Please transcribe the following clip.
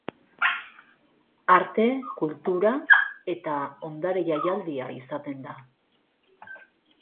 Arte, kultura eta ondare jaialdia izaten da.